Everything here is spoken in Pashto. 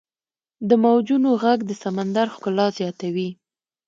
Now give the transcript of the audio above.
• د موجونو ږغ د سمندر ښکلا زیاتوي.